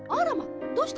どうしたの？